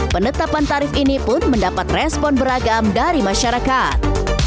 penetapan tarif ini pun mendapat respon beragam dari masyarakat